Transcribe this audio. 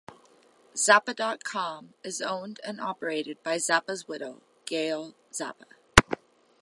Zappa dot com is owned and operated by Zappa's widow, Gail Zappa.